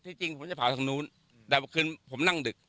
ถ้าผมอยู่ทางนู้นผมงานดึก